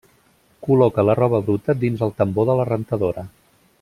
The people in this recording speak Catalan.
Col·loca la roba bruta dins el tambor de la rentadora.